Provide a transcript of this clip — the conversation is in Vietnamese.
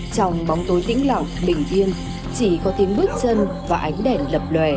trong bóng tối tĩnh lỏng bình yên chỉ có tiếng bước chân và ánh đèn lập lòe